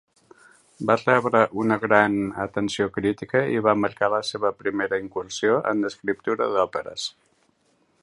Va rebre una gran atenció crítica i va marcar la seva primera incursió en escriptura d'òperes.